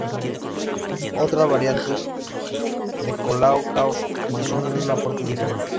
Otras variantes de Cola Cao tienen un aporte diferente.